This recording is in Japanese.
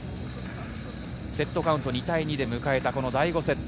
セットカウント２対２で迎えた第５セット。